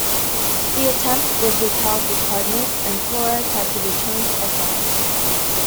The attempt was repelled with hardness and Flores had to return to exile.